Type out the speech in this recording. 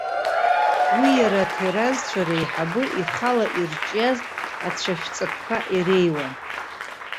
Уи иара аҭеразцәа реиҳабы ихала ирҿиаз ацәашәҵатәқәа иреиуан.